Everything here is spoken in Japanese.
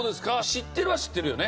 知ってるは知ってるよね。